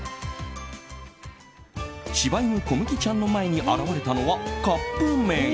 柴犬こむぎちゃんの前に現れたのは、カップ麺。